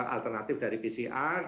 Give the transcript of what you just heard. alternatif dari pcr